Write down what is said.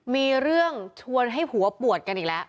มีเรื่องชวนให้หัวปวดกันอีกแล้ว